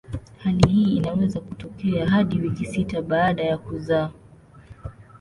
Hali hii inaweza kutokea hadi wiki sita baada ya kuzaa.